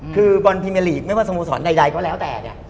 คือบอลพรีเมอร์ลีกไม่ว่าสโมสรใดก็แล้วแต่เนี่ย